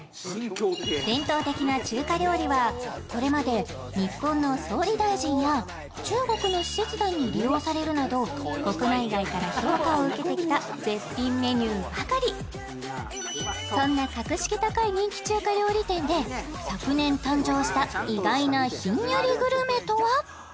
伝統的な中華料理はこれまで日本の総理大臣や中国の使節団に利用されるなど国内外から評価を受けてきた絶品メニューばかりそんな格式高い人気中華料理店で昨年誕生した意外なひんやりグルメとは？